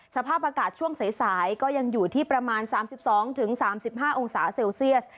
สภาพอากาศช่วงสายก็ยังอยู่ที่ประมาณ๓๒๓๕องศาเซลเซียส